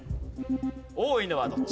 多いのはどっち？